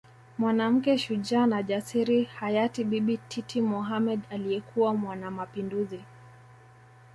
Mwanamke shujaa na jasiri hayati Bibi Titi Mohamed aliyekuwa mwanamapinduzi